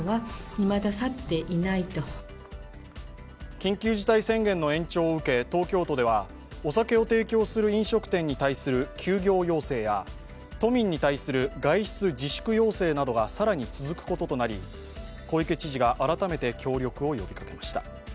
緊急事態宣言の延長を受け、東京都ではお酒を提供する飲食店に対する休業要請や都民に対する外出自粛要請などが更に続くこととなり、小池知事が改めて協力を呼びかけました。